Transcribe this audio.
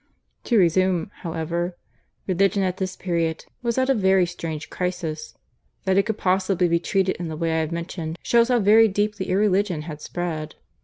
"To resume, however: "Religion at this period was at a very strange crisis. That it could possibly be treated in the way I have mentioned shows how very deeply irreligion had spread.